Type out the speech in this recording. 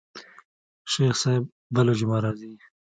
شيخ صاحب بله جمعه راځي.